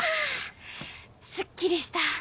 すっきりした！